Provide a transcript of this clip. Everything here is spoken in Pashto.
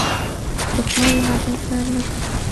دښمن له حقیقت نه تښتي